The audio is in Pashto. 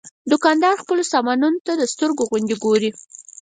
دوکاندار خپلو سامانونو ته د سترګو غوندې ګوري.